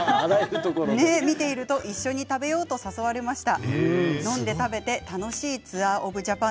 見ていると一緒に食べようと誘われました。